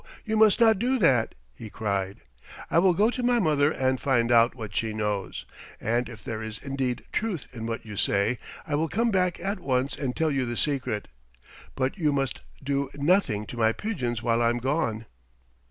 You must not do that," he cried. "I will go to my mother and find out what she knows, and if there is indeed truth in what you say I will come back at once and tell you the secret. But you must do nothing to my pigeons while I am gone."